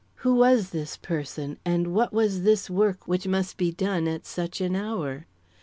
Who was this person and what was this work which must be done at such an hour?